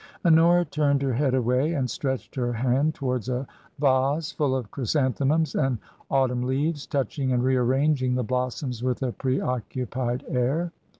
Honora turned her head away and stretched her hand towards a vase full of chrysanthemums and autumn leaves, touching and rearranging the blossoms with a preoccupied air.